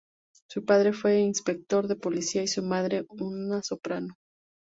Su padre fue inspector de policía y su madre una soprano.